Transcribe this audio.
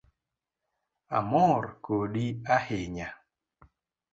Amor kodi ahinya